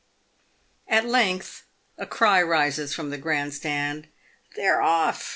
At length a cry rises from the grand stand, "They're off!